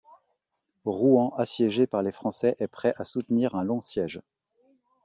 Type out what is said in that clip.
Rouen assiégée par les Français est prêt à soutenir un long siège.